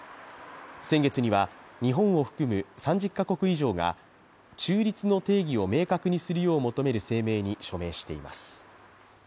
先月には日本を含む３０カ国以上が中立の定義を明確にするよう求める声明に署名しています。